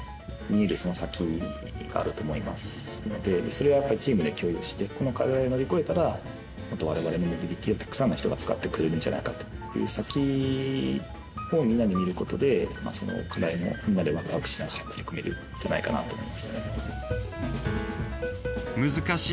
それをやっぱりチームで共有してこの課題を乗り越えたらもっと我々のモビリティをたくさんの人が使ってくれるんじゃないかという先をみんなで見ることでその課題もみんなでワクワクしながら取り組めるんじゃないかなと思いますね。